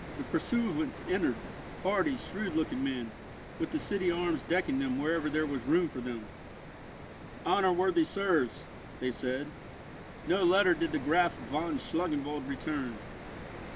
The pursuivants entered—hardy, shrewd looking men, with the city arms decking them wherever there was room for them. "Honour worthy sirs," they said, "no letter did the Graf von Schlangenwald return."